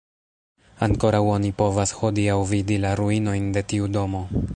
Ankoraŭ oni povas hodiaŭ vidi la ruinojn de tiu domo.